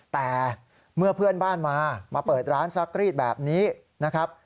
แต่เมื่อเพื่อนบ้านมามาเปิดร้านซักรีดแบบนี้นะครับ